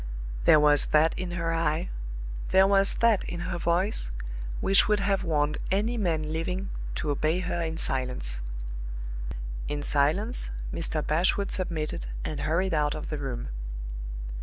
There was that in her eye, there was that in her voice, which would have warned any man living to obey her in silence. In silence Mr. Bashwood submitted, and hurried out of the room.